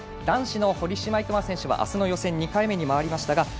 男子の堀島行真選手はあすの予選２回目に回りましたが、